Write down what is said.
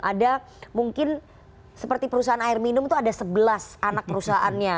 ada mungkin seperti perusahaan air minum itu ada sebelas anak perusahaannya